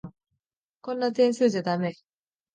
こんな点数じゃだめ。